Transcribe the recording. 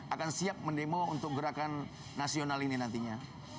akan siap mendemo untuk gerakan nasional ini nantinya